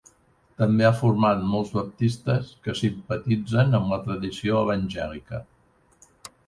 També ha format molts baptistes que simpatitzen amb la tradició evangèlica.